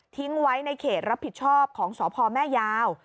ทิ้งไว้ในเขตรับผิดชอบของสพแม่ยาว